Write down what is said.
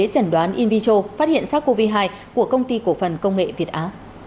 chẩn đoán invitro phát hiện sars cov hai của công ty cổ phần công nghệ việt á